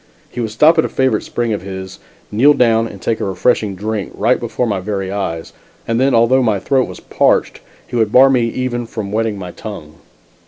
He would stop at a favorite spring of his, kneel down and take a refreshing drink, right before my very eyes, and then, although my throat was parched, he would bar me even from wetting my tongue.